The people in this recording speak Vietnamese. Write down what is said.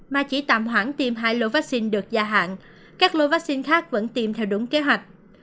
mà chỉ tạm hoãn tiêm hai lô vaccine được gia hạn các lô vaccine khác vẫn tiêm theo đúng kế hoạch